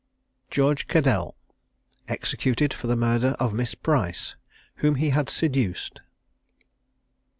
GEORGE CADDELL. EXECUTED FOR THE MURDER OF MISS PRICE, WHOM HE HAD SEDUCED.